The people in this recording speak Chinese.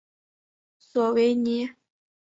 索维尼。